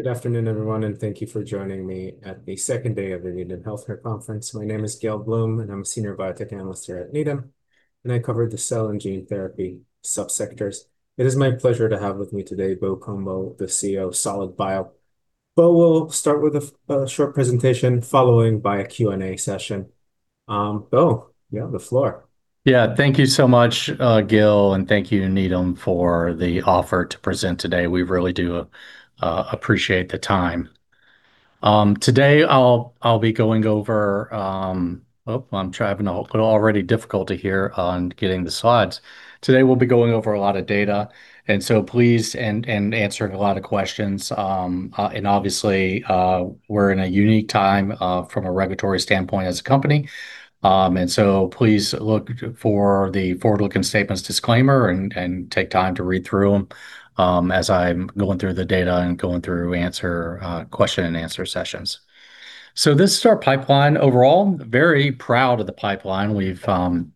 Good afternoon, everyone, and thank you for joining me at the second day of the Needham Healthcare Conference. My name is Gil Blum, and I'm a Senior Biotech Analyst here at Needham, and I cover the cell and gene therapy sub-sectors. It is my pleasure to have with me today Bo Cumbo, the CEO of Solid Bio. Bo will start with a short presentation, following by a Q&A session. Bo, you have the floor. Thank you so much, Gil, and thank you to Needham for the offer to present today. We really do appreciate the time. Oh, I'm having a little already difficulty here on getting the slides. Today, we'll be going over a lot of data and answering a lot of questions. Obviously, we're in a unique time from a regulatory standpoint as a company. Please look for the forward-looking statements disclaimer and take time to read through them as I'm going through the data and going through question and answer sessions. This is our pipeline. Overall, very proud of the pipeline. We've come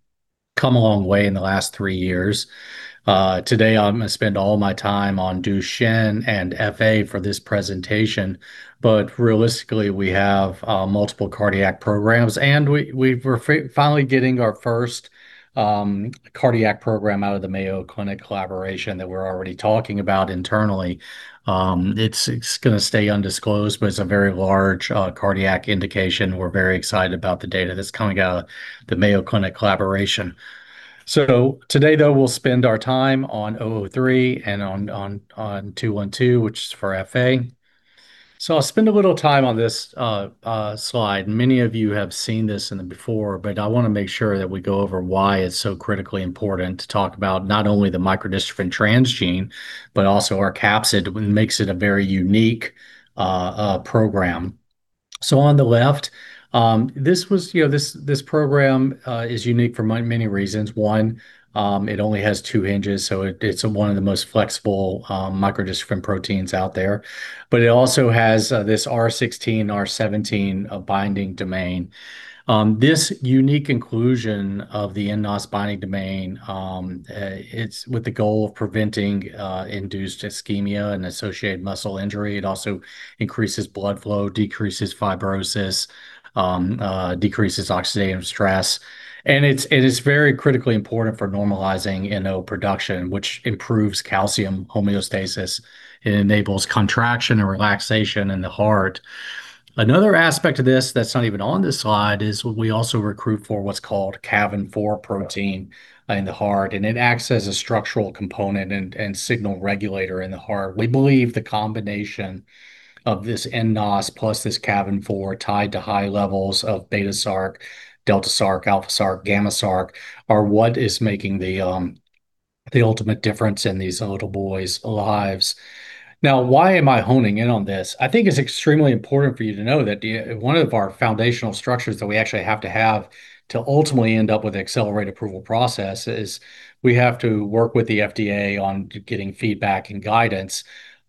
a long way in the last three years. Today, I'm going to spend all my time on Duchenne and FA for this presentation, but realistically, we have multiple cardiac programs, and we're finally getting our first cardiac program out of the Mayo Clinic collaboration that we're already talking about internally. It's going to stay undisclosed, but it's a very large cardiac indication. We're very excited about the data that's coming out of the Mayo Clinic collaboration. Today, though, we'll spend our time on 003 and on 212, which is for FA. I'll spend a little time on this slide. Many of you have seen this before, but I want to make sure that we go over why it's so critically important to talk about not only the microdystrophin transgene, but also our capsid makes it a very unique program. On the left, this program is unique for many reasons. One, it only has two hinges, so it's one of the most flexible microdystrophin proteins out there. It also has this R16, R17 binding domain. This unique inclusion of the nNOS binding domain, it's with the goal of preventing induced ischemia and associated muscle injury. It also increases blood flow, decreases fibrosis, decreases oxidative stress, and it is very critically important for normalizing NO production, which improves calcium homeostasis and enables contraction and relaxation in the heart. Another aspect of this that's not even on this slide is we also recruit for what's called cavin-4 protein in the heart, and it acts as a structural component and signal regulator in the heart. We believe the combination of this nNOS plus this cavin-4 tied to high levels of beta-sarc, delta-sarc, alpha-sarc, gamma-sarc, are what is making the ultimate difference in these little boys' lives. Now, why am I honing in on this? I think it's extremely important for you to know that one of our foundational structures that we actually have to have to ultimately end up with an accelerated approval process is we have to work with the FDA on getting feedback and guidance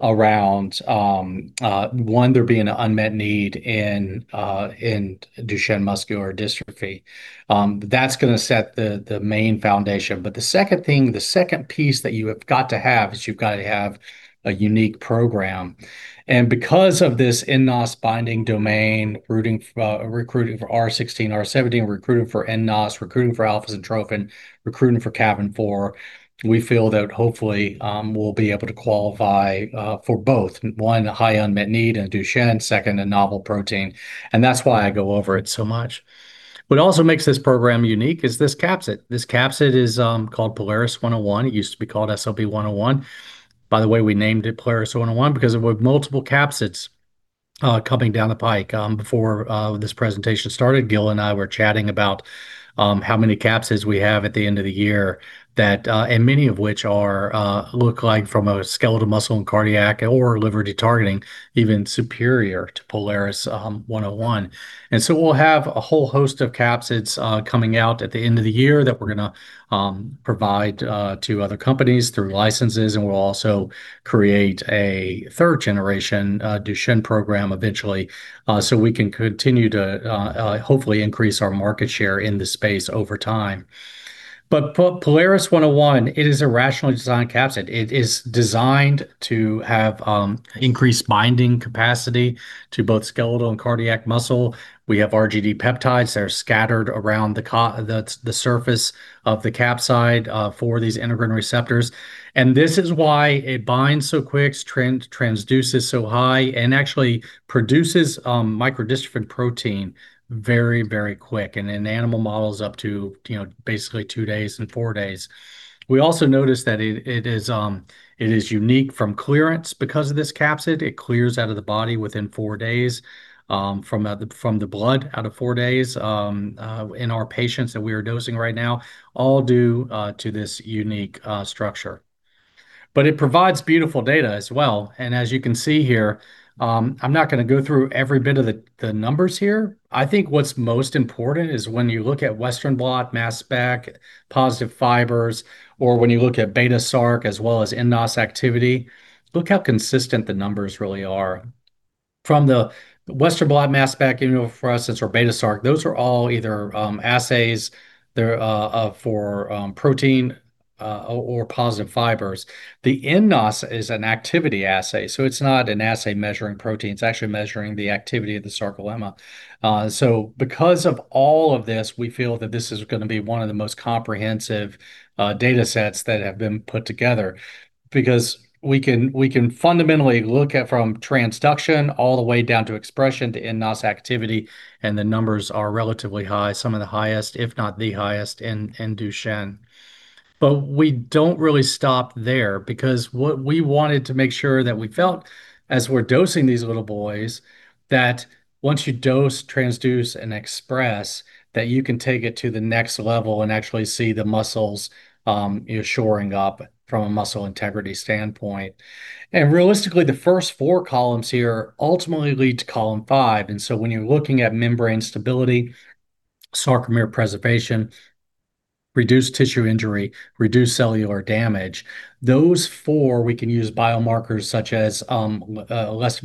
around, one, there being an unmet need in Duchenne muscular dystrophy. That's going to set the main foundation. The second thing, the second piece that you have got to have, is you've got to have a unique program. Because of this nNOS binding domain, recruiting for R16, R17, recruiting for nNOS, recruiting for alpha-syntrophin, recruiting for cavin-4, we feel that hopefully we'll be able to qualify for both, one, a high unmet need in Duchenne, second, a novel protein, and that's why I go over it so much. What also makes this program unique is this capsid. This capsid is called POLARIS-101. It used to be called SLB-101. By the way, we named it POLARIS-101 because with multiple capsids coming down the pike. Before this presentation started, Gil and I were chatting about how many capsids we have at the end of the year, and many of which look like from a skeletal muscle and cardiac or liver de-targeting, even superior to POLARIS-101. We'll have a whole host of capsids coming out at the end of the year that we're going to provide to other companies through licenses, and we'll also create a 3rd-generation Duchenne program eventually, so we can continue to hopefully increase our market share in this space over time. POLARIS-101, it is a rationally designed capsid. It is designed to have increased binding capacity to both skeletal and cardiac muscle. We have RGD peptides that are scattered around the surface of the capsid for these integrin receptors. This is why it binds so quick, transduces so high, and actually produces microdystrophin protein very, very quick in animal models up to basically two days and four days. We also noticed that it is unique from clearance because of this capsid. It clears out of the body within four days, from the blood out of four days, in our patients that we are dosing right now, all due to this unique structure. It provides beautiful data as well. As you can see here, I'm not going to go through every bit of the numbers here. I think what's most important is when you look at Western blot, mass spec, positive fibers, or when you look at beta-sarc as well as nNOS activity, look how consistent the numbers really are. From the Western blot, mass spec, immunofluorescence, or beta-sarc, those are all either assays. They're for protein or positive fibers. The nNOS is an activity assay, so it's not an assay measuring protein, it's actually measuring the activity of the sarcolemma. Because of all of this, we feel that this is going to be one of the most comprehensive data sets that have been put together, because we can fundamentally look at from transduction all the way down to expression to nNOS activity, and the numbers are relatively high, some of the highest, if not the highest in Duchenne. We don't really stop there, because what we wanted to make sure that we felt as we're dosing these little boys, that once you dose, transduce, and express, that you can take it to the next level and actually see the muscles shoring up from a muscle integrity standpoint. Realistically, the first four columns here ultimately lead to column five, and so when you're looking at membrane stability, sarcomere preservation, reduced tissue injury, reduced cellular damage, those four we can use biomarkers such as left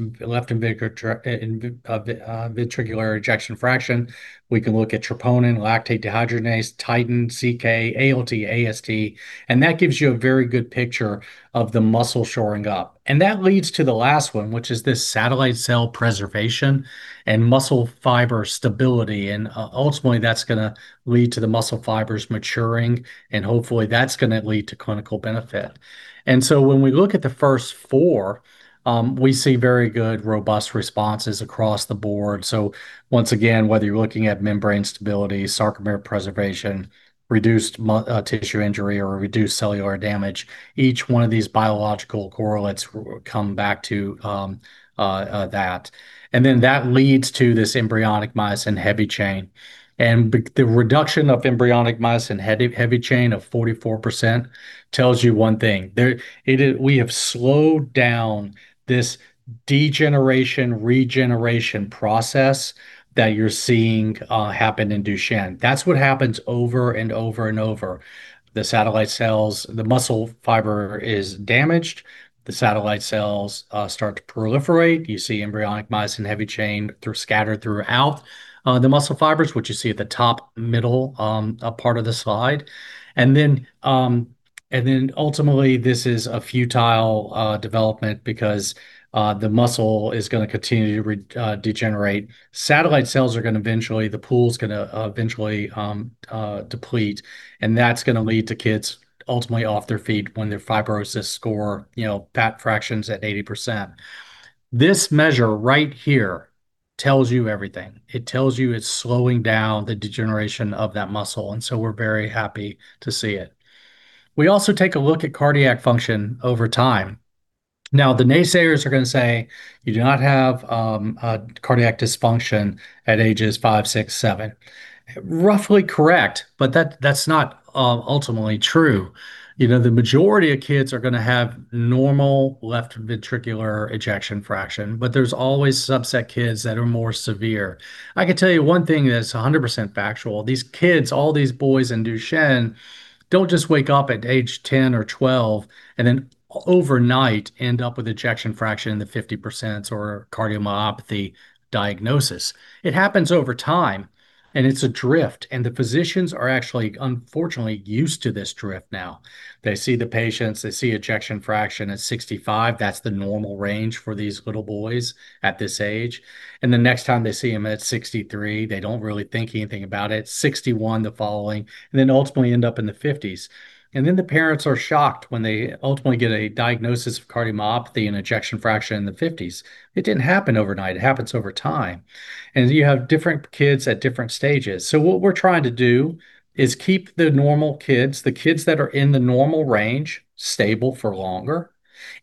ventricular ejection fraction. We can look at troponin, lactate dehydrogenase, titin, CK, ALT, AST, and that gives you a very good picture of the muscle shoring up. That leads to the last one, which is this satellite cell preservation and muscle fiber stability, and ultimately that's going to lead to the muscle fibers maturing, and hopefully that's going to lead to clinical benefit. When we look at the first four, we see very good, robust responses across the board. Once again, whether you're looking at membrane stability, sarcomere preservation, reduced tissue injury, or reduced cellular damage, each one of these biological correlates come back to that. That leads to this embryonic myosin heavy chain. The reduction of embryonic myosin heavy chain of 44% tells you one thing. We have slowed down this degeneration, regeneration process that you're seeing happen in Duchenne. That's what happens over and over and over. The satellite cells, the muscle fiber is damaged, the satellite cells start to proliferate. You see embryonic myosin heavy chain scattered throughout the muscle fibers, which you see at the top middle part of the slide. Ultimately, this is a futile development because the muscle is going to continue to degenerate. Satellite cells, the pool's going to eventually deplete, and that's going to lead to kids ultimately off their feet when their fibrosis score fat fraction's at 80%. This measure right here tells you everything. It tells you it's slowing down the degeneration of that muscle, and so we're very happy to see it. We also take a look at cardiac function over time. Now, the naysayers are going to say you do not have cardiac dysfunction at ages five, six, seven. Roughly correct, but that's not ultimately true. The majority of kids are going to have normal left ventricular ejection fraction, but there's always subset kids that are more severe. I can tell you one thing that's 100% factual. These kids, all these boys in Duchenne, don't just wake up at age 10 or 12 and then overnight end up with ejection fraction in the 50% or cardiomyopathy diagnosis. It happens over time, and it's a drift, and the physicians are actually, unfortunately, used to this drift now. They see the patients, they see ejection fraction at 65. That's the normal range for these little boys at this age. The next time they see him at 63, they don't really think anything about it, 61 the following, and then ultimately end up in the 50s. The parents are shocked when they ultimately get a diagnosis of cardiomyopathy and ejection fraction in the 50s. It didn't happen overnight. It happens over time. You have different kids at different stages. What we're trying to do is keep the normal kids, the kids that are in the normal range, stable for longer,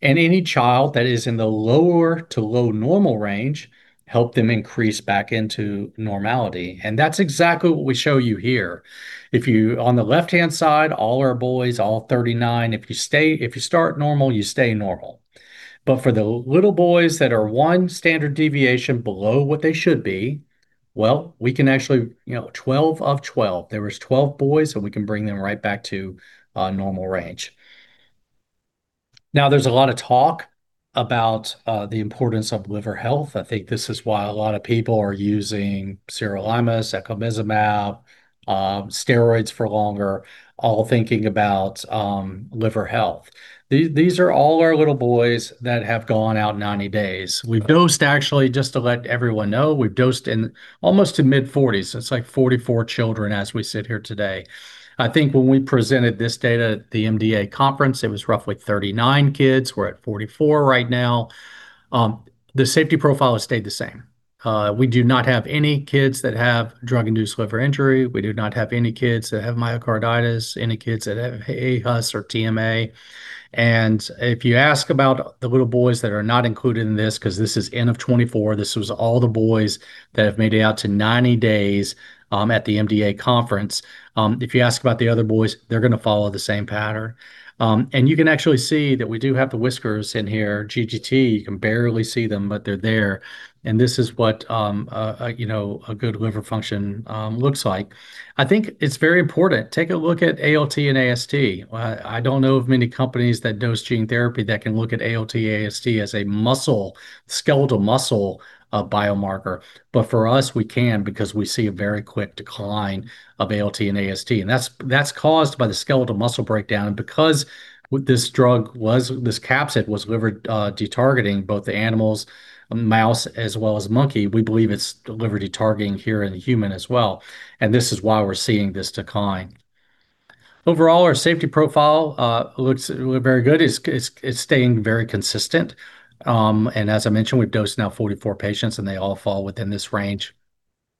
and any child that is in the lower to low normal range, help them increase back into normality. That's exactly what we show you here. If you, on the left-hand side, all our boys, all 39, if you start normal, you stay normal. For the little boys that are one standard deviation below what they should be, well, we can actually, 12 of 12, there was 12 boys, so we can bring them right back to a normal range. Now, there's a lot of talk about the importance of liver health. I think this is why a lot of people are using sirolimus, eculizumab, steroids for longer, all thinking about liver health. These are all our little boys that have gone out 90 days. Actually, just to let everyone know, we've dosed in almost to mid-40s. It's like 44 children as we sit here today. I think when we presented this data at the MDA conference, it was roughly 39 kids. We're at 44 right now. The safety profile has stayed the same. We do not have any kids that have drug-induced liver injury. We do not have any kids that have myocarditis, any kids that have aHUS or TMA. If you ask about the little boys that are not included in this, because this is end of 2024, this was all the boys that have made it out to 90 days at the MDA conference. If you ask about the other boys, they're going to follow the same pattern. You can actually see that we do have the whiskers in here, GGT, you can barely see them, but they're there. This is what a good liver function looks like. I think it's very important. Take a look at ALT and AST. I don't know of many companies that dose gene therapy that can look at ALT, AST as a skeletal muscle biomarker. For us, we can because we see a very quick decline of ALT and AST, and that's caused by the skeletal muscle breakdown. Because this capsid was liver de-targeting both the animals, mouse as well as monkey, we believe it's liver de-targeting here in the human as well, and this is why we're seeing this decline. Overall, our safety profile looks very good. It's staying very consistent. As I mentioned, we've dosed now 44 patients, and they all fall within this range,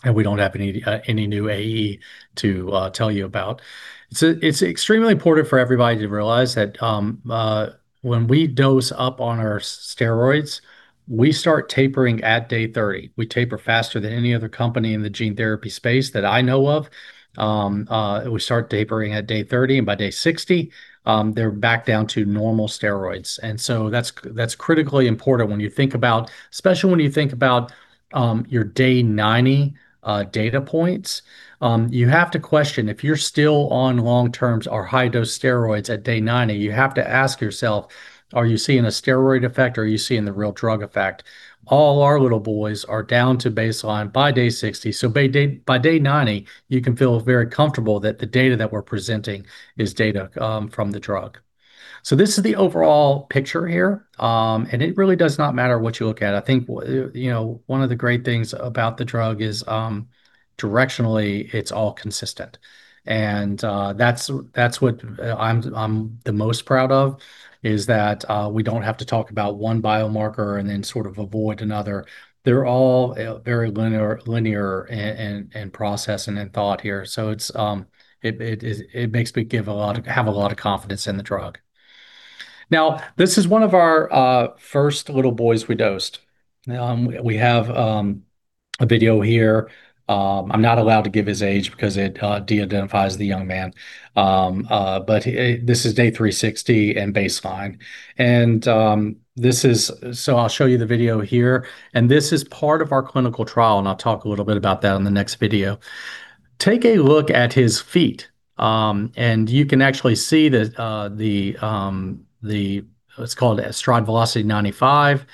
and we don't have any new AE to tell you about. It's extremely important for everybody to realize that when we dose up on our steroids, we start tapering at day 30. We taper faster than any other company in the gene therapy space that I know of. We start tapering at day 30, and by day 60, they're back down to normal steroids. That's critically important when you think about, especially when you think about your day 90 data points. You have to question, if you're still on long-terms or high-dose steroids at day 90, you have to ask yourself, are you seeing a steroid effect, or are you seeing the real drug effect? All our little boys are down to baseline by day 60. By day 90, you can feel very comfortable that the data that we're presenting is data from the drug. This is the overall picture here. It really does not matter what you look at. I think one of the great things about the drug is directionally, it's all consistent. That's what I'm the most proud of, is that we don't have to talk about one biomarker and then sort of avoid another. They're all very linear in process and in thought here. It makes me have a lot of confidence in the drug. Now, this is one of our first little boys we dosed. We have a video here. I'm not allowed to give his age because it de-identifies the young man. This is day 360 and baseline. I'll show you the video here, and this is part of our clinical trial, and I'll talk a little bit about that in the next video. Take a look at his feet, and you can actually see it's called a Stride Velocity 95.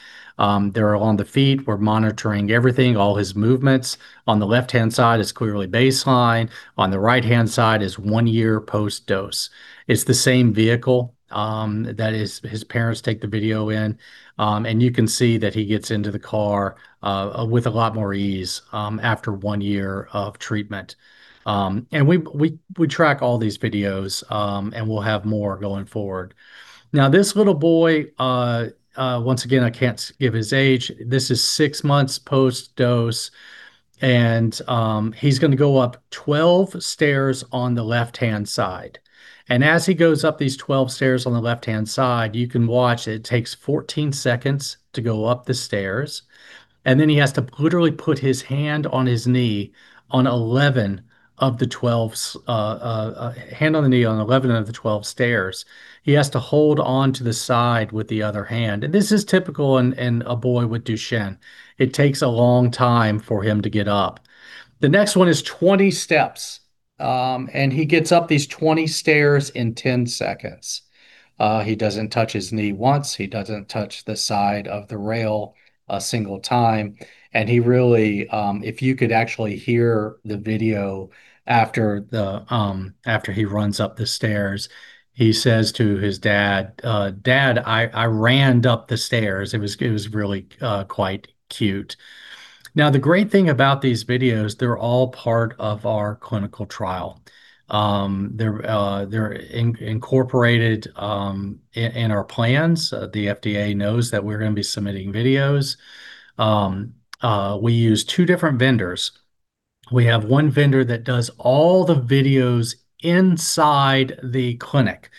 There on the feet. We're monitoring everything, all his movements. On the left-hand side is clearly baseline. On the right-hand side is one year post-dose. It's the same vehicle that his parents take the video in. You can see that he gets into the car with a lot more ease after one year of treatment. We track all these videos, and we'll have more going forward. Now, this little boy, once again, I can't give his age. This is six months post-dose, and he's going to go up 12 stairs on the left-hand side. As he goes up these 12 stairs on the left-hand side, you can watch. It takes 14 seconds to go up the stairs. He has to literally put his hand on the knee on 11 of the 12 stairs. He has to hold on to the side with the other hand. This is typical in a boy with Duchenne. It takes a long time for him to get up. The next one is 20 steps, and he gets up these 20 stairs in 10 seconds. He doesn't touch his knee once. He doesn't touch the side of the rail a single time. He really, if you could actually hear the video after he runs up the stairs, he says to his dad, "Dad, I ran up the stairs." It was really quite cute. Now, the great thing about these videos, they're all part of our clinical trial. They're incorporated in our plans. The FDA knows that we're going to be submitting videos. We use two different vendors. We have one vendor that does all the videos inside the clinic.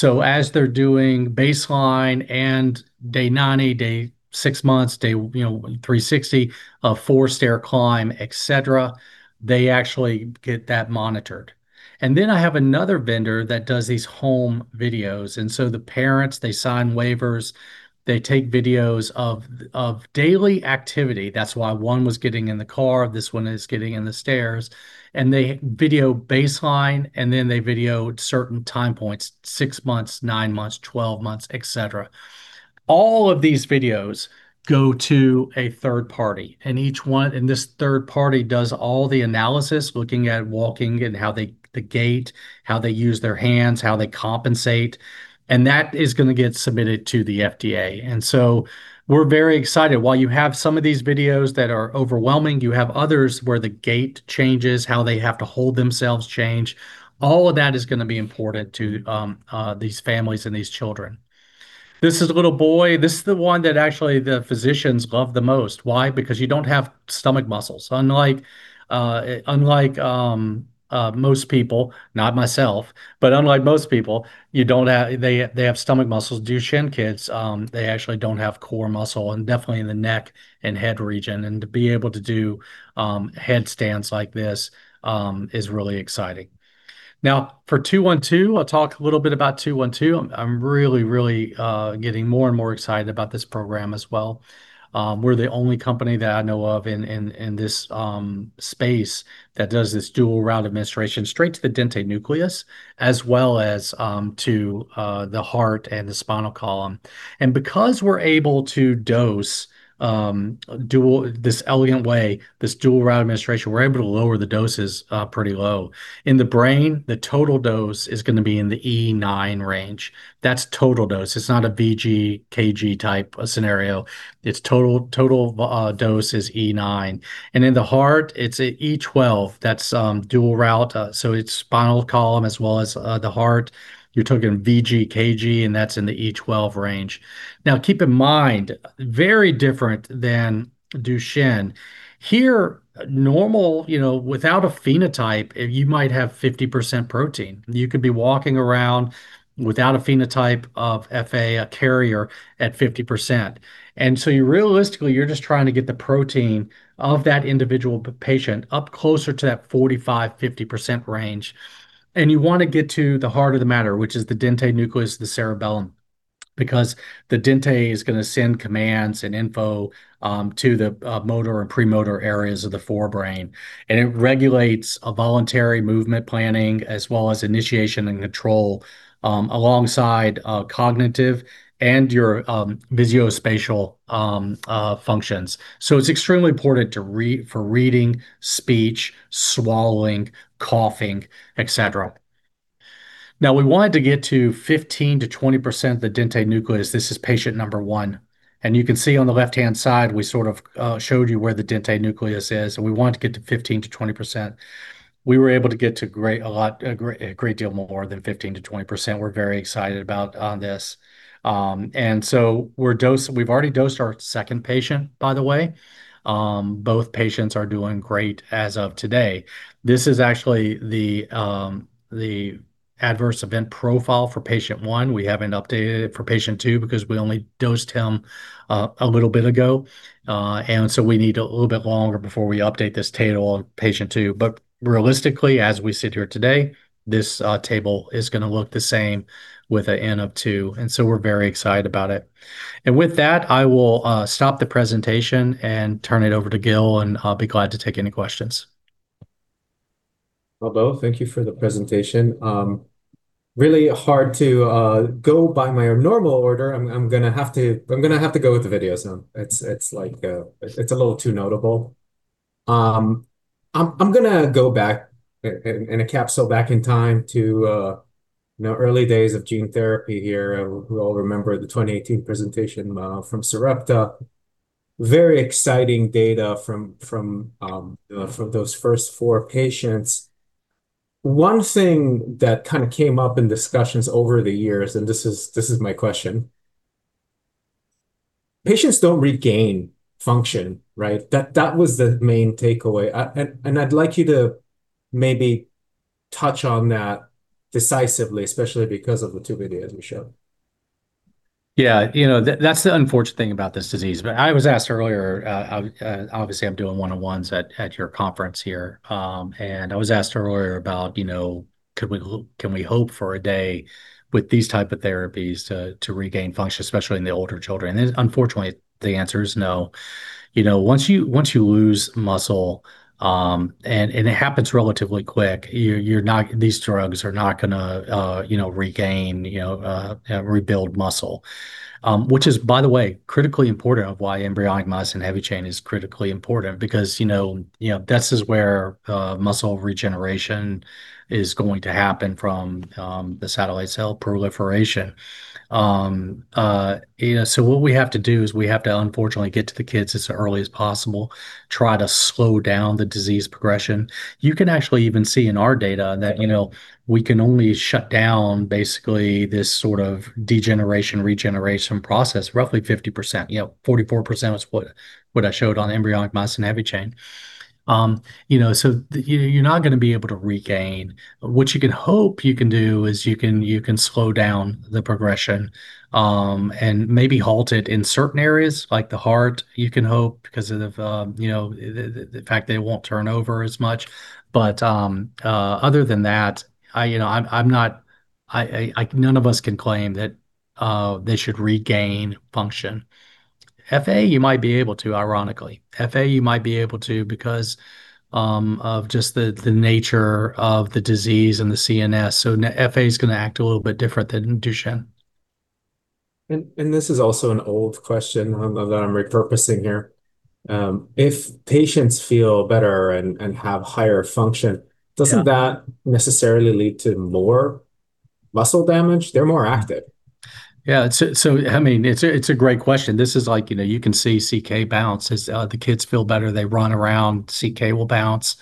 As they're doing baseline and day 90, day six months, day 360, a four-stair climb, et cetera, they actually get that monitored. I have another vendor that does these home videos. The parents, they sign waivers. They take videos of daily activity. That's why one was getting in the car. This one is getting in the stairs. They video baseline, and then they video at certain time points, six months, nine months, 12 months, et cetera. All of these videos go to a third party, and this third party does all the analysis, looking at walking and the gait, how they use their hands, how they compensate, and that is going to get submitted to the FDA. We're very excited. While you have some of these videos that are overwhelming, you have others where the gait changes, how they have to hold themselves change. All of that is going to be important to these families and these children. This is a little boy. This is the one that actually the physicians love the most. Why? Because you don't have stomach muscles. Unlike most people, not myself, but unlike most people, they have stomach muscles. Duchenne kids, they actually don't have core muscle, and definitely in the neck and head region. To be able to do headstands like this is really exciting. Now, for 212, I'll talk a little bit about 212. I'm really getting more and more excited about this program as well. We're the only company that I know of in this space that does this dual route administration straight to the dentate nucleus, as well as to the heart and the spinal column. Because we're able to dose this elegant way, this dual route administration, we're able to lower the doses pretty low. In the brain, the total dose is going to be in the E9 range. That's total dose. It's not a vg/kg type scenario. Its total dose is E9. In the heart, it's a E12. That's dual route, so it's spinal column as well as the heart. You're talking vg/kg, and that's in the E12 range. Now, keep in mind, very different than Duchenne. Here, normal, without a phenotype, you might have 50% protein. You could be walking around without a phenotype of FA, a carrier at 50%. Realistically, you're just trying to get the protein of that individual patient up closer to that 45%-50% range. You want to get to the heart of the matter, which is the dentate nucleus of the cerebellum. Because the dentate is going to send commands and info to the motor and premotor areas of the forebrain, and it regulates voluntary movement planning as well as initiation and control, alongside cognitive and your visuospatial functions. It's extremely important for reading, speech, swallowing, coughing, et cetera. Now we wanted to get to 15%-20% of the dentate nucleus. This is patient number one. You can see on the left-hand side, we sort of showed you where the dentate nucleus is, and we want to get to 15%-20%. We were able to get to a great deal more than 15%-20%. We're very excited about this. We've already dosed our second patient, by the way. Both patients are doing great as of today. This is actually the adverse event profile for patient one. We haven't updated it for patient two because we only dosed him a little bit ago. We need a little bit longer before we update this table on patient two. Realistically, as we sit here today, this table is going to look the same with an N of two, and so we're very excited about it. With that, I will stop the presentation and turn it over to Gil, and I'll be glad to take any questions. Well, Bo, thank you for the presentation. Really hard to go by my normal order. I'm going to have to go with the video. It's a little too notable. I'm going to go back in a capsule back in time to early days of gene therapy here. We all remember the 2018 presentation from Sarepta. Very exciting data from those first four patients. One thing that kind of came up in discussions over the years, and this is my question, patients don't regain function, right? That was the main takeaway, and I'd like you to maybe touch on that decisively, especially because of the two videos we showed. Yeah. That's the unfortunate thing about this disease. I was asked earlier, obviously I'm doing one-on-ones at your conference here, and I was asked earlier about can we hope for a day with these type of therapies to regain function, especially in the older children? Unfortunately, the answer is no. Once you lose muscle, and it happens relatively quick, these drugs are not going to regain, rebuild muscle, which is, by the way, critically important of why embryonic myosin heavy chain is critically important, because this is where muscle regeneration is going to happen from the satellite cell proliferation. What we have to do is we have to, unfortunately, get to the kids as early as possible, try to slow down the disease progression. You can actually even see in our data that we can only shut down basically this sort of degeneration, regeneration process roughly 50%. 44% was what I showed on embryonic myosin heavy chain. You're not going to be able to regain. What you can hope you can do is you can slow down the progression, and maybe halt it in certain areas, like the heart, you can hope because of the fact they won't turn over as much. Other than that, none of us can claim that they should regain function. FA, you might be able to, ironically. FA, you might be able to because of just the nature of the disease and the CNS. FA's going to act a little bit different than Duchenne. This is also an old question that I'm repurposing here. If patients feel better and have higher function. Yeah Doesn't that necessarily lead to more muscle damage? They're more active. Yeah. It's a great question. This is like you can see CK bounce. As the kids feel better, they run around, CK will bounce.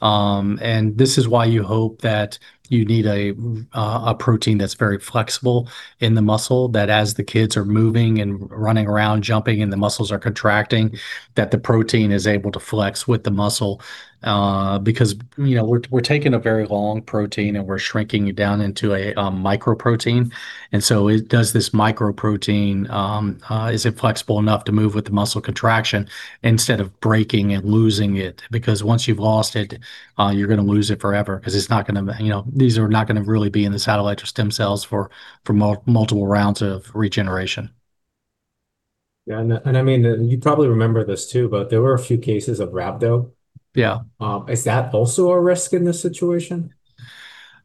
This is why you hope that you need a protein that's very flexible in the muscle that as the kids are moving and running around, jumping, and the muscles are contracting, that the protein is able to flex with the muscle. Because we're taking a very long protein and we're shrinking it down into a micro protein, is it flexible enough to move with the muscle contraction instead of breaking and losing it? Because once you've lost it, you're going to lose it forever because these are not going to really be in the satellite or stem cells for multiple rounds of regeneration. Yeah. You probably remember this too, but there were a few cases of rhabdo. Yeah. Is that also a risk in this situation?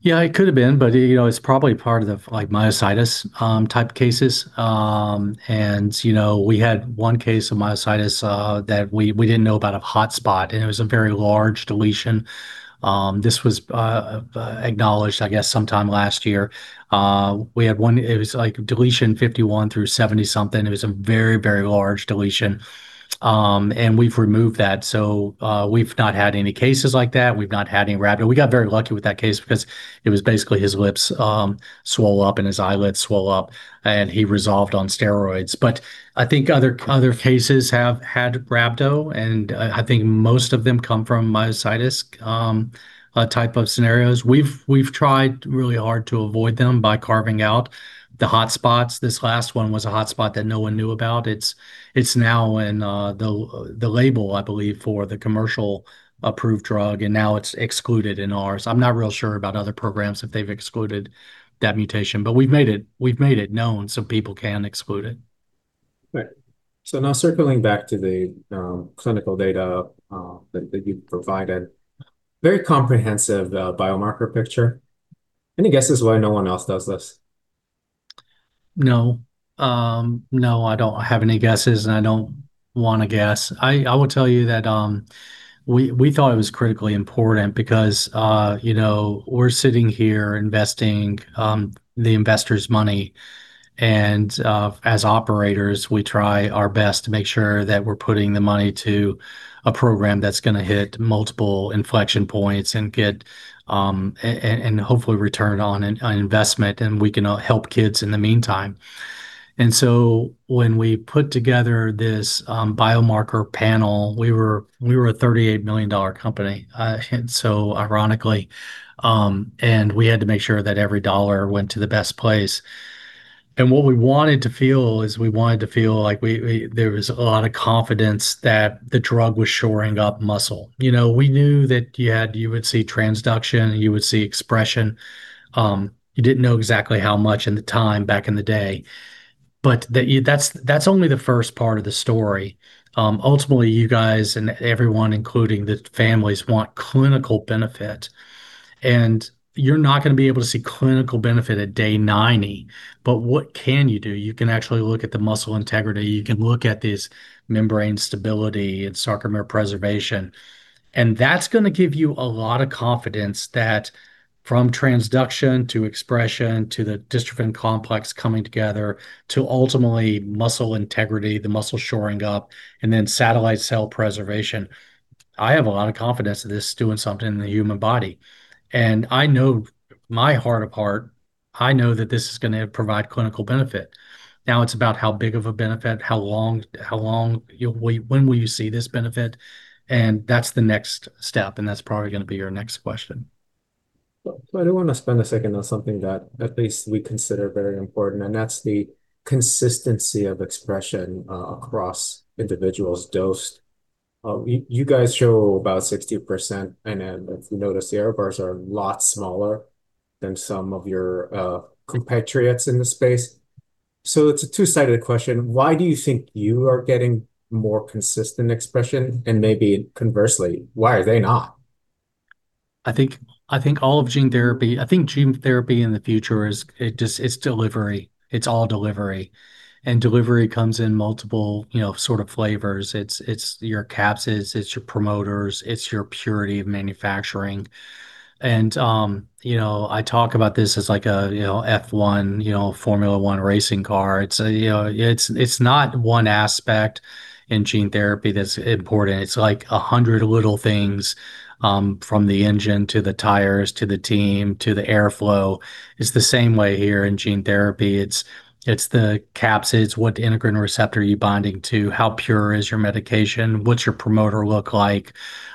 Yeah, it could've been, but it's probably part of the myositis type cases. We had one case of myositis that we didn't know about a hotspot, and it was a very large deletion. This was acknowledged, I guess, sometime last year. We had one, it was deletion 51 through 70 something. It was a very large deletion. We've removed that, so we've not had any cases like that. We've not had any rhabdo. We got very lucky with that case because it was basically his lips swole up, and his eyelids swole up, and he resolved on steroids. I think other cases have had rhabdo, and I think most of them come from myositis type of scenarios. We've tried really hard to avoid them by carving out the hotspots. This last one was a hotspot that no one knew about. It's now in the label, I believe, for the commercial approved drug, and now it's excluded in ours. I'm not real sure about other programs, if they've excluded that mutation. We've made it known so people can exclude it. Right. Now circling back to the clinical data that you provided. Very comprehensive biomarker picture. Any guesses why no one else does this? No. I don't have any guesses, and I don't want to guess. I will tell you that we thought it was critically important because we're sitting here investing the investors' money, and as operators, we try our best to make sure that we're putting the money to a program that's going to hit multiple inflection points and hopefully return on investment, and we can help kids in the meantime. When we put together this biomarker panel, we were a $38 million company, so ironically, and we had to make sure that every dollar went to the best place. What we wanted to feel is we wanted to feel like there was a lot of confidence that the drug was shoring up muscle. We knew that you would see transduction, you would see expression. You didn't know exactly how much in the time back in the day, but that's only the first part of the story. Ultimately, you guys and everyone, including the families, want clinical benefit, and you're not going to be able to see clinical benefit at day 90. What can you do? You can actually look at the muscle integrity. You can look at this membrane stability and sarcomere preservation, and that's going to give you a lot of confidence that from transduction to expression to the dystrophin complex coming together to ultimately muscle integrity, the muscle shoring up, and then satellite cell preservation. I have a lot of confidence that this is doing something in the human body, and I know my heart of heart, I know that this is going to provide clinical benefit. Now it's about how big of a benefit, how long you'll wait, when will you see this benefit? That's the next step, and that's probably going to be your next question. I do want to spend a second on something that at least we consider very important, and that's the consistency of expression across individuals dosed. You guys show about 60%, and if you notice, the error bars are a lot smaller than some of your compatriots in the space. It's a two-sided question. Why do you think you are getting more consistent expression? Maybe conversely, why are they not? I think gene therapy in the future is delivery. It's all delivery. Delivery comes in multiple sort of flavors. It's your capsids, it's your promoters, it's your purity of manufacturing. I talk about this as like a F1, Formula One racing car. It's not one aspect in gene therapy that's important. It's like a hundred little things, from the engine to the tires, to the team, to the airflow. It's the same way here in gene therapy. It's the capsids. What integrin receptor are you binding to? How pure is your medication? What's your promoter look like?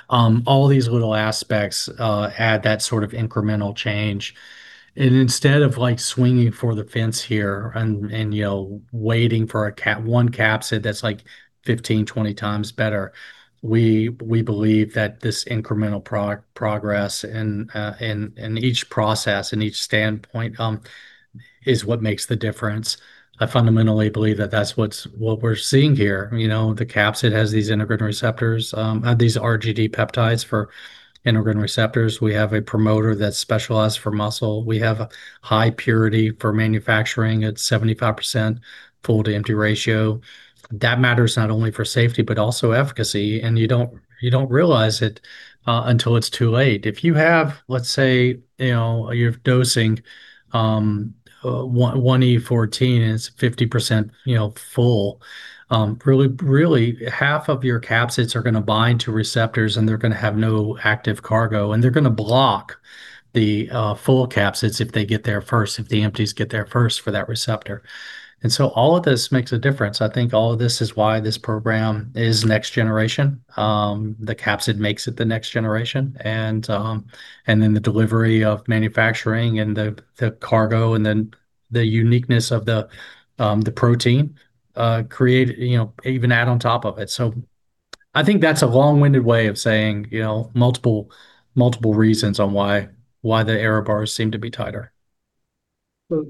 All these little aspects add that sort of incremental change. Instead of swinging for the fence here and waiting for one capsid that's 15x, 20x better, we believe that this incremental progress in each process and each standpoint is what makes the difference. I fundamentally believe that that's what we're seeing here. The capsid has these integrin receptors, these RGD peptides for integrin receptors. We have a promoter that's specialized for muscle. We have high purity for manufacturing at 75% full-to-empty ratio. That matters not only for safety but also efficacy, and you don't realize it until it's too late. Let's say you're dosing 1 E14, and it's 50% full. Really half of your capsids are going to bind to receptors, and they're going to have no active cargo, and they're going to block the full capsids if the empties get there first for that receptor. All of this makes a difference. I think all of this is why this program is next generation. The capsid makes it the next-generation, and then the delivery of manufacturing and the cargo, and then the uniqueness of the protein even add on top of it. I think that's a long-winded way of saying multiple reasons on why the error bars seem to be tighter.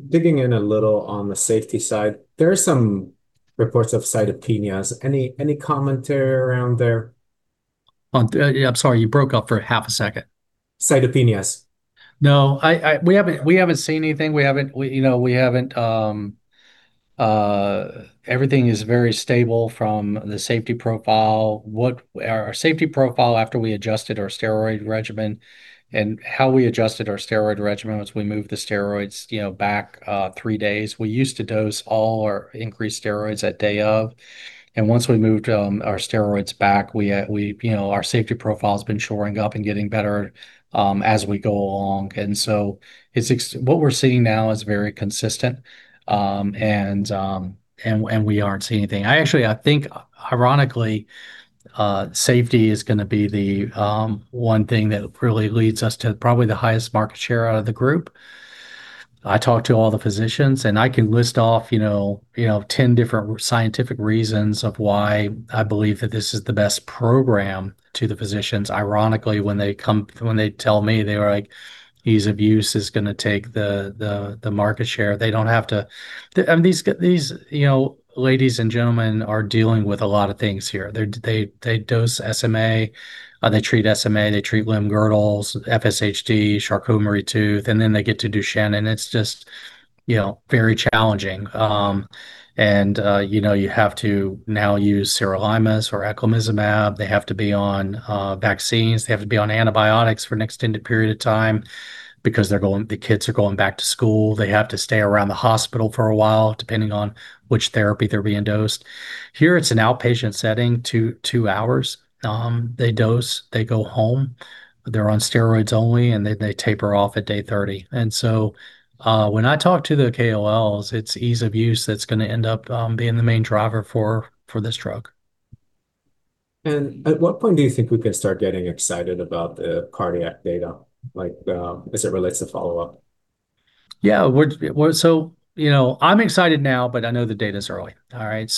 Digging in a little on the safety side, there are some reports of cytopenias. Any commentary around there? I'm sorry. You broke up for half a second. Cytopenias. No, we haven't seen anything. Everything is very stable from the safety profile. Our safety profile after we adjusted our steroid regimen, and how we adjusted our steroid regimen was we moved the steroids back three days. We used to dose all our increased steroids at day of, and once we moved our steroids back, our safety profile's been shoring up and getting better as we go along. What we're seeing now is very consistent, and we aren't seeing anything. I think, ironically, safety is going to be the one thing that really leads us to probably the highest market share out of the group. I talk to all the physicians, and I can list off 10 different scientific reasons of why I believe that this is the best program to the physicians. Ironically, when they tell me, they were like, "Ease of use is going to take the market share." These ladies and gentlemen are dealing with a lot of things here. They dose SMA, they treat SMA, they treat limb-girdles, FSHD, Charcot-Marie-Tooth, and then they get to Duchenne, and it's just very challenging. You have to now use sirolimus or eculizumab. They have to be on vaccines. They have to be on antibiotics for an extended period of time because the kids are going back to school. They have to stay around the hospital for a while, depending on which therapy they're being dosed. Here, it's an outpatient setting, two hours. They dose, they go home. They're on steroids only, and then they taper off at day 30. When I talk to the KOLs, it's ease of use that's going to end up being the main driver for this drug. At what point do you think we can start getting excited about the cardiac data, like as it relates to follow-up? I'm excited now, but I know the data's early. All right.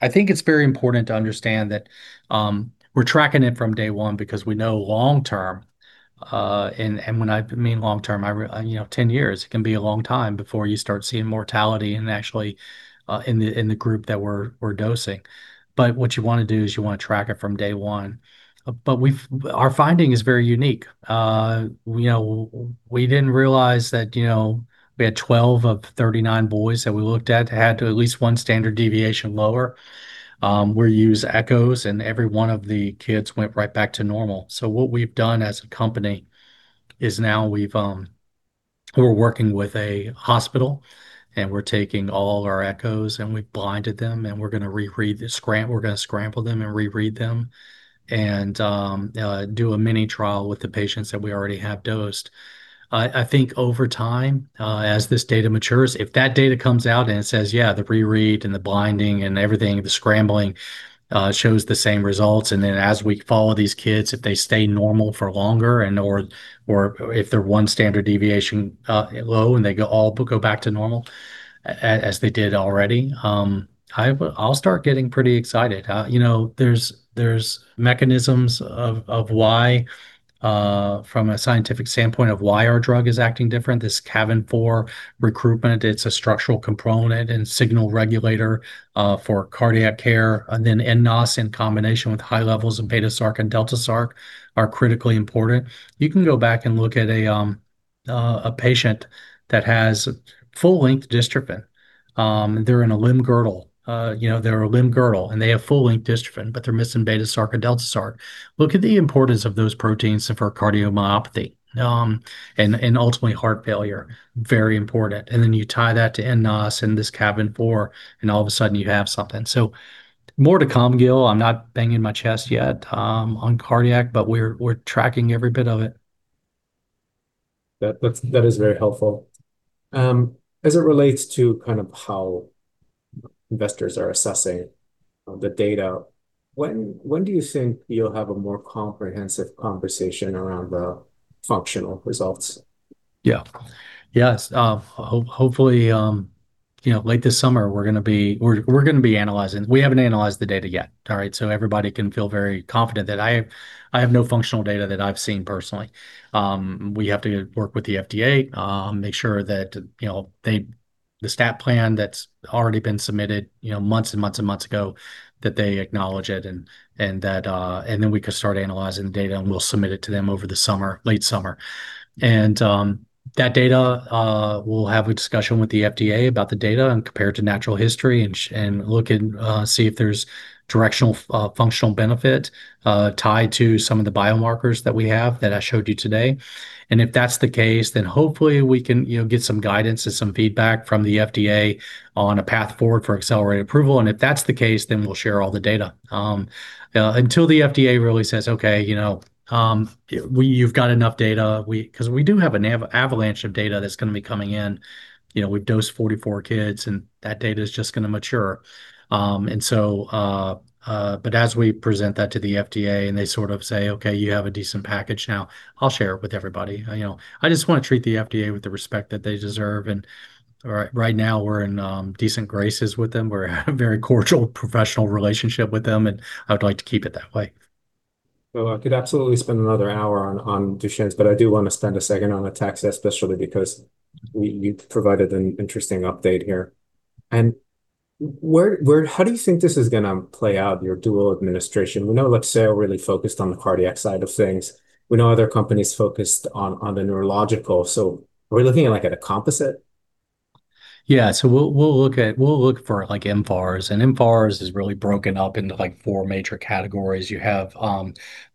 I think it's very important to understand that we're tracking it from day one because we know long-term, and when I mean long-term, 10 years, it can be a long time before you start seeing mortality and actually in the group that we're dosing. What you want to do is you want to track it from day one. Our finding is very unique. We didn't realize that we had 12 of 39 boys that we looked at had at least one standard deviation lower. We use echoes, and every one of the kids went right back to normal. What we've done as a company is now we're working with a hospital, and we're taking all our echoes, and we've blinded them, and we're going to scramble them and reread them and do a mini trial with the patients that we already have dosed. I think over time, as this data matures, if that data comes out and it says, yeah, the reread and the blinding and everything, the scrambling, shows the same results, and then as we follow these kids, if they stay normal for longer and/or if they're one standard deviation low, and they all go back to normal as they did already, I'll start getting pretty excited. There's mechanisms of why, from a scientific standpoint of why our drug is acting different. This cavin-4 recruitment, it's a structural component and signal regulator for cardiac care. nNOS in combination with high levels of beta sarc and delta sarc are critically important. You can go back and look at a patient that has full-length dystrophin. They're a limb-girdle, and they have full-length dystrophin, but they're missing beta sarc or delta sarc. Look at the importance of those proteins for cardiomyopathy, and ultimately heart failure. Very important. You tie that to nNOS and this cavin-4, and all of a sudden you have something. More to come, Gil. I'm not banging my chest yet on cardiac, but we're tracking every bit of it. That is very helpful. As it relates to how investors are assessing the data, when do you think you'll have a more comprehensive conversation around the functional results? Yeah. Yes. Hopefully, late this summer, we're going to be analyzing. We haven't analyzed the data yet. All right. Everybody can feel very confident that I have no functional data that I've seen personally. We have to work with the FDA, make sure that the stat plan that's already been submitted months and months and months ago, that they acknowledge it, and then we can start analyzing the data, and we'll submit it to them over late summer. That data, we'll have a discussion with the FDA about the data and compare it to natural history and look and see if there's directional functional benefit tied to some of the biomarkers that we have that I showed you today. If that's the case, then hopefully we can get some guidance and some feedback from the FDA on a path forward for accelerated approval. If that's the case, then we'll share all the data until the FDA really says, "Okay, you've got enough data," because we do have an avalanche of data that's going to be coming in. We've dosed 44 kids, and that data's just going to mature. As we present that to the FDA, and they sort of say, "Okay, you have a decent package now," I'll share it with everybody. I just want to treat the FDA with the respect that they deserve, and right now, we're in decent graces with them. We have a very cordial professional relationship with them, and I would like to keep it that way. Well, I could absolutely spend another hour on Duchenne, but I do want to spend a second on ataxia, especially because you've provided an interesting update here. How do you think this is going to play out, your dual administration? We know Lexeo really focused on the cardiac side of things. We know other companies focused on the neurological. Are we looking at, like, a composite? Yeah. We'll look for mFARS, and mFARS is really broken up into four major categories. You have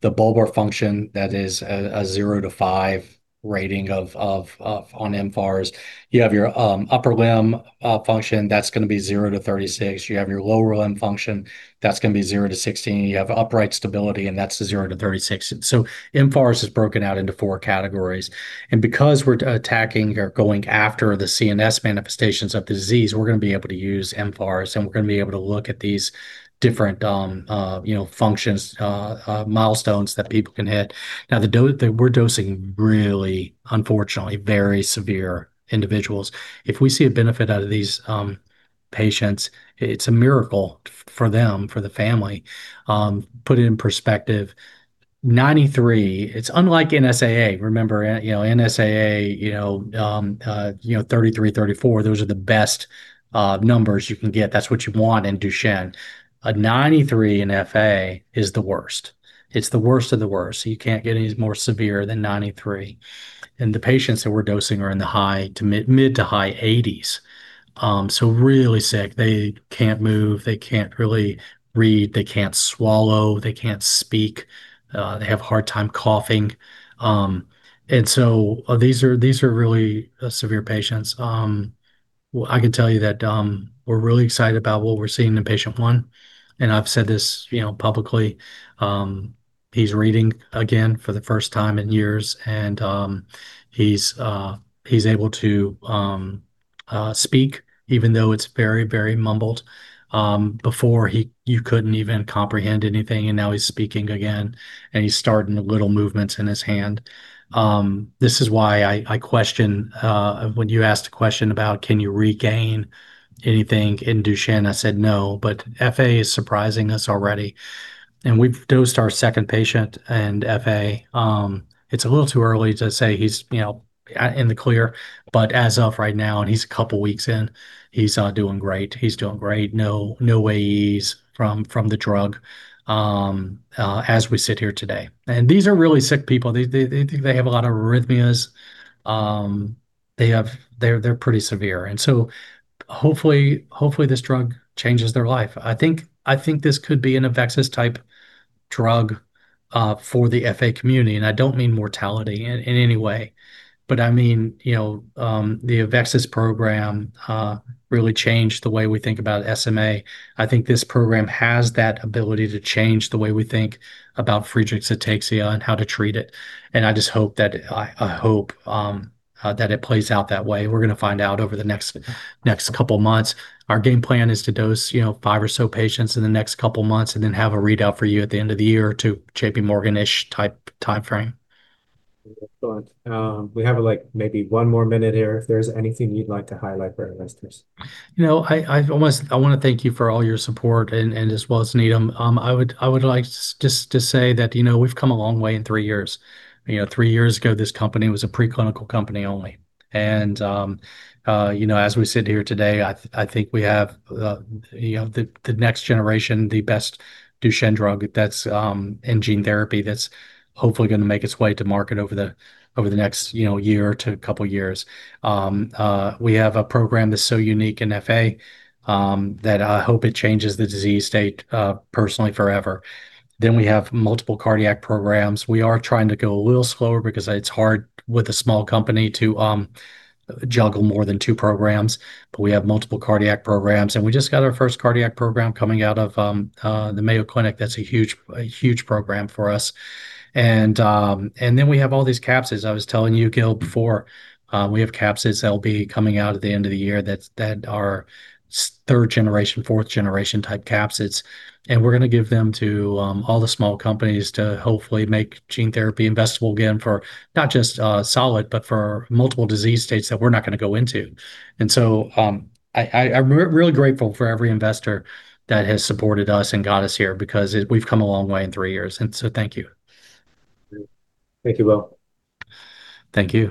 the bulbar function that is a 0-5 rating on mFARS. You have your upper limb function, that's going to be 0-36. You have your lower limb function, that's going to be 0-16. You have upright stability, and that's 0-36. mFARS is broken out into four categories. Because we're attacking or going after the CNS manifestations of the disease, we're going to be able to use mFARS, and we're going to be able to look at these different functions, milestones that people can hit. Now, we're dosing really, unfortunately, very severe individuals. If we see a benefit out of these patients, it's a miracle for them, for the family. Put it in perspective. It's unlike NSAA. Remember, NSAA, 33, 34, those are the best numbers you can get. That's what you want in Duchenne. A 93 in FA is the worst. It's the worst of the worst, so you can't get any more severe than 93. The patients that we're dosing are in the mid to high 80s. Really sick. They can't move, they can't really read, they can't swallow, they can't speak. They have a hard time coughing. These are really severe patients. I can tell you that we're really excited about what we're seeing in patient one, and I've said this publicly. He's reading again for the first time in years, and he's able to speak even though it's very, very mumbled. Before you couldn't even comprehend anything, and now he's speaking again, and he's starting little movements in his hand. When you asked a question about can you regain anything in Duchenne, I said no, but FA is surprising us already. We've dosed our second patient in FA. It's a little too early to say he's in the clear, but as of right now, and he's a couple weeks in, he's doing great. No AEs from the drug as we sit here today. These are really sick people. They have a lot of arrhythmias. They're pretty severe. Hopefully this drug changes their life. I think this could be an AveXis type drug for the FA community. I don't mean mortality in any way, but I mean the AveXis program really changed the way we think about SMA. I think this program has that ability to change the way we think about Friedreich's ataxia and how to treat it, and I hope that it plays out that way. We're going to find out over the next couple of months. Our game plan is to dose five or so patients in the next couple of months, and then have a readout for you at the end of the year to JPMorgan-ish type time frame. Excellent. We have maybe one more minute here, if there's anything you'd like to highlight for our investors. I want to thank you for all your support and as well as Needham. I would like just to say that we've come a long way in three years. Three years ago, this company was a preclinical company only. As we sit here today, I think we have the next generation, the best Duchenne drug that's in gene therapy that's hopefully going to make its way to market over the next year to couple years. We have a program that's so unique in FA, that I hope it changes the disease state personally forever. We have multiple cardiac programs. We are trying to go a little slower because it's hard with a small company to juggle more than two programs, but we have multiple cardiac programs. We just got our first cardiac program coming out of the Mayo Clinic. That's a huge program for us. We have all these capsids. I was telling you, Gil, before, we have capsids that'll be coming out at the end of the year that are 3rd-generation, 4th-generation type capsids, and we're going to give them to all the small companies to hopefully make gene therapy investable again for not just Solid, but for multiple disease states that we're not going to go into. I'm really grateful for every investor that has supported us and got us here because we've come a long way in three years. Thank you. Thank you, Bo. Thank you.